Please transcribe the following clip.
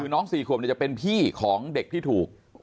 คือน้อง๔ขวบจะเป็นพี่ของเด็กที่ถูก